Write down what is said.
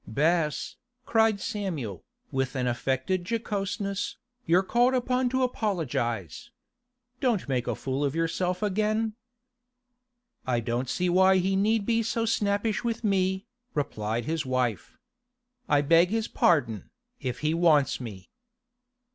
'Bess,' cried Samuel, with an affected jocoseness, 'you're called upon to apologise. Don't make a fool of yourself again.' 'I don't see why he need be so snappish with me,' replied his wife. 'I beg his pardon, if he wants me.